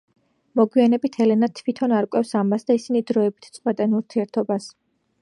მოგვიანებით ელენა თვითონ არკვევს ამას და ისინი დროებით წყვეტენ ურთიერთობას.